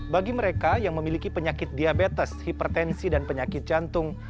bagi mereka yang memiliki penyakit diabetes hipertensi dan penyakit jantung